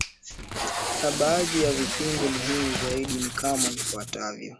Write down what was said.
Na baadhi ya vipindi muhimu zaidi ni kama ifuatavyo